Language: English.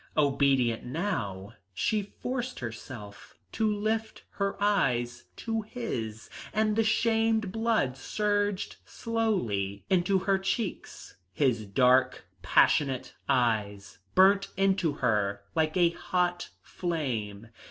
Obedient now, she forced herself to lift her eyes to his, and the shamed blood surged slowly into her cheeks. His dark, passionate eyes burnt into her like a hot flame.